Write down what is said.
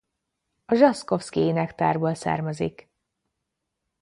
A Zsasskovszky-énektárból származik.